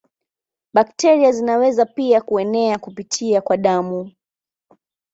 Bakteria zinaweza pia kuenea kupitia kwa damu.